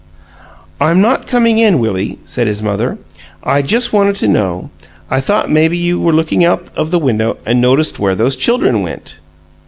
"I'm not coming in, Willie," said his mother. "I just wanted to know I thought maybe you were looking out of the window and noticed where those children went."